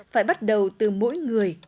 phải bắt đầu từ mỗi người